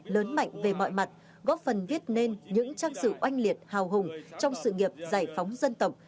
lớn mạnh về mọi mặt góp phần viết nên những trang sử oanh liệt hào hùng trong sự nghiệp giải phóng dân tộc